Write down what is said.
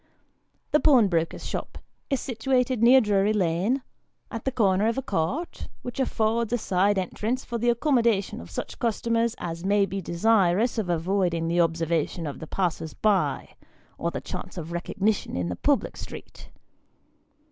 The pawnbroker's shop is situated near Drury Lane, at the corner of a court, which affords a side entrance for the accommodation of such customers as may be desirous of avoiding the observation of the passers by, or the chance of recognition in the public street.